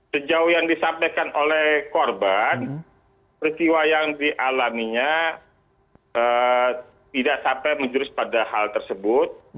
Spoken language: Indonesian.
sejauh yang disampaikan oleh korban peristiwa yang dialaminya tidak sampai menjurus pada hal tersebut